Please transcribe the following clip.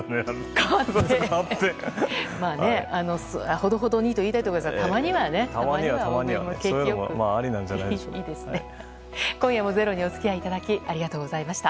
ほどほどにと言いたいところですがたまにはね。今夜も「ｚｅｒｏ」にお付き合いいただきありがとうございました。